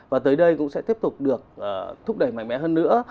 và tới đây cũng sẽ tiếp tục được thúc đẩy mạnh mẽ hơn nữa